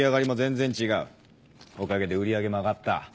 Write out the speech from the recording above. おかげで売り上げも上がった。